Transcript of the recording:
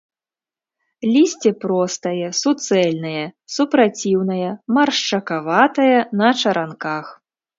Лісце простае, суцэльнае, супраціўнае, маршчакаватае, на чаранках.